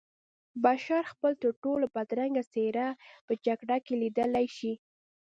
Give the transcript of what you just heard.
بشر خپله ترټولو بدرنګه څېره په جګړه کې لیدلی شي